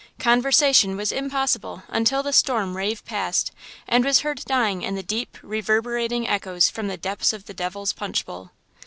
Conversation was impossible until the storm raved past and was heard dying in deep, reverberating echoes from the depths of the Devil's Punch Bowl.